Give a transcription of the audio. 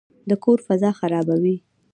د کور فضا خرابوي.